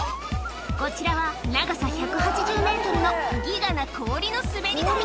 こちらは、長さ１８０メートルのギガな氷の滑り台。